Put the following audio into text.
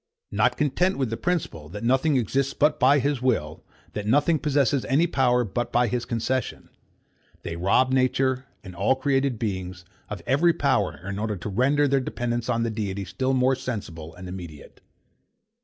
Not content with the principle, that nothing exists but by his will, that nothing possesses any power but by his concession: They rob nature, and all created beings, of every power, in order to render their dependence on the Deity still more sensible and immediate.